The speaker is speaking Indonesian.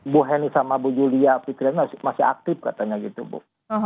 bu heni sama bu julia pikiran masih aktif katanya gitu bu